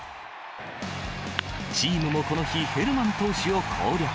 チームもこの日、ヘルマン投手を攻略。